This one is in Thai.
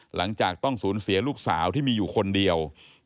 หลังจากต้องสูญเสียลูกสาวที่มีอยู่คนเดียว